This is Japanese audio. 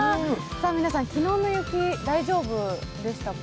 皆さん、昨日の雪、大丈夫でしたか？